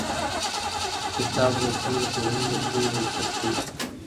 کتاب لوستل د ټولنې د پوهې بنسټ دی.